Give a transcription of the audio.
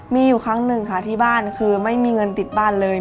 มีอยู่ครั้งหนึ่งค่ะที่บ้านคือไม่มีเงินติดบ้านเลย